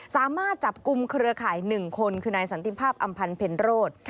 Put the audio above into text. สามารถจับกลุ่มเครือข่าย๑คนคือนายสันติภาพอำพันธ์เพ็ญโรธ